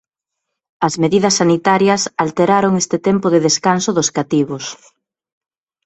As medidas sanitarias alteraron este tempo de descanso dos cativos.